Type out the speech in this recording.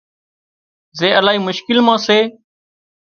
زي الاهي مشڪل مان سي